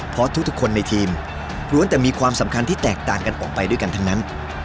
เพราะทุกคนในทีมล้วนแต่มีความสำคัญที่แตกต่างกันออกไปด้วยกันทั้งนั้น